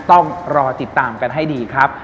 ต้องรอติดตามกันให้ดีครับ